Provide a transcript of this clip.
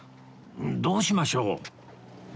どうしましょう？